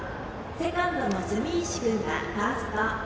セカンドの住石君がファースト。